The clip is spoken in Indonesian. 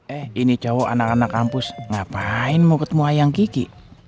eh ini cowok anak anak kampus ngapain mau ketemu wayang kiki